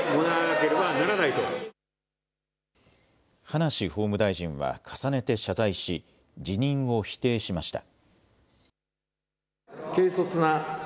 葉梨法務大臣は重ねて謝罪し辞任を否定しました。